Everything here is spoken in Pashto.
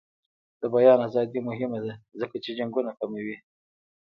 د بیان ازادي مهمه ده ځکه چې جنګونه کموي.